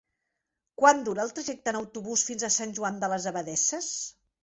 Quant dura el trajecte en autobús fins a Sant Joan de les Abadesses?